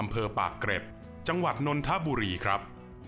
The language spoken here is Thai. อำเภอปากเกร็ดจังหวัดนนทบุรีครับ